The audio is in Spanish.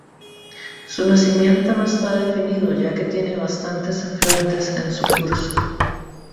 Su nacimiento no está definido ya que tiene bastantes afluentes en su curso.